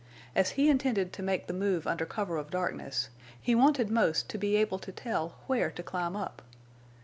As he intended to make the move under cover of darkness, he wanted most to be able to tell where to climb up.